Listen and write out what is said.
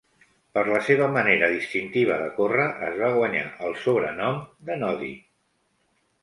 Per la seva manera distintiva de córrer es va guanyar el sobrenom de "Noddy".